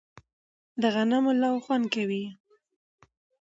د غنمو لو خوند کوي